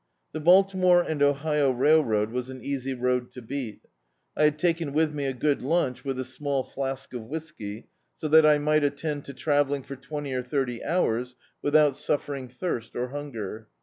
The Baltimore and Ohio Railroad was an easy road to beat I had taken with me a good lunch, with a small ilask of whisky, so that I might attend to travelling for twenty or thirty hours without suf fering thirst or hunger.